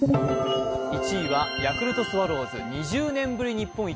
１位は、ヤクルトスワローズ２０年ぶり日本一。